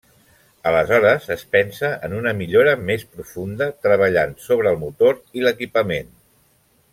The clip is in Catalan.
Aleshores es pensa en una millora més profunda, treballant sobre el motor i l'equipament.